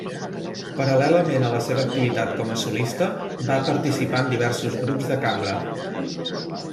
Paral·lelament a la seva activitat com a solista, va participar en diversos grups de cambra.